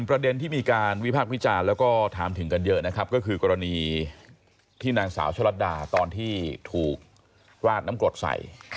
ประเด็นที่มีการวิพากษ์วิจารณ์แล้วก็ถามถึงกันเยอะนะครับก็คือกรณีที่นางสาวชะลัดดาตอนที่ถูกราดน้ำกรดใส่